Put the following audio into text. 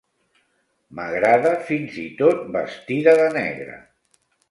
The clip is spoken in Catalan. M'agrada fins i tot vestida de negre.